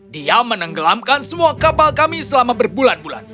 dia menenggelamkan semua kapal kami selama berbulan bulan